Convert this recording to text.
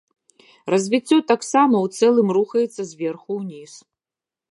Развіццё таксама ў цэлым рухаецца зверху ўніз.